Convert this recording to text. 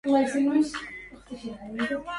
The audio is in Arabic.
يعيرني الواشي بأن لست مدنفا